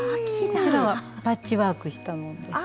こちらはパッチワークしたものです。